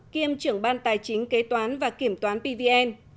kiêm trưởng ban tài chính kế toán và kiểm toán pvn